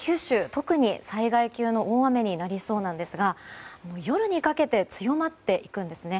特に災害級の大雨になりそうなんですが夜にかけて強まっていくんですね。